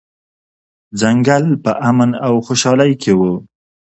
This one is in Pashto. ځنګل په امن او خوشحالۍ کې و.